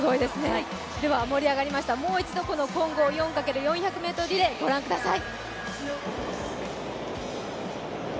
では盛り上がりました、もう一度この混合４×４００ｍリレーご覧ください。